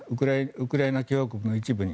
ウクライナ共和国の一部に。